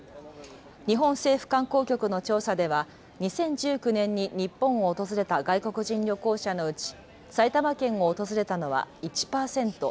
日本政府観光局の調査では２０１９年に日本を訪れた外国人旅行者のうち埼玉県を訪れたのは１％。